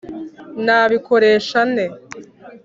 nabikoresha nte?